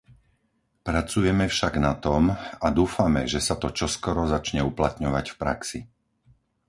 Pracujeme však na tom a dúfame, že sa to čoskoro začne uplatňovať v praxi.